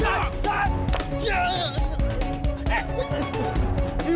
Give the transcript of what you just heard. tert bentar kerja bor britain rudd